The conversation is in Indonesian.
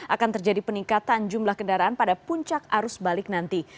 akan terjadi peningkatan jumlah kendaraan pada puncak arus balik nanti